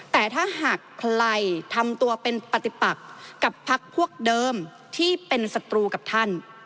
แต่ถ้าหากใครทำตัวเป็นปฏิปักกับพักพวกเดิมที่เป็นศัตรูกับท่าน